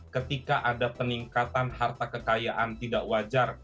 ketika ada peningkatan harta kekayaan tidak wajar